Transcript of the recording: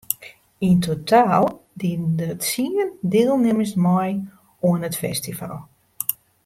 Yn totaal diene der tsien dielnimmers mei oan it festival.